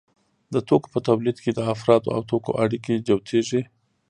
د توکو په تولید کې د افرادو او توکو اړیکې جوتېږي